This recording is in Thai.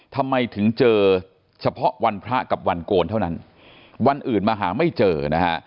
ทำไมถึงเจอเฉพาะวันพระกับวันโกนเท่านั้นวันอื่นมาหาไม่เจอนะฮะ